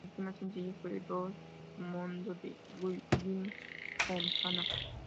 Su primer sencillo fue Il Mondo, de Jimmy Fontana.